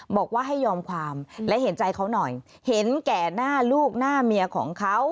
บอกว่าให้ยอมความและเห็นใจเขาหน่อยเห็นแก่หน้าลูกหน้าเมียของเขา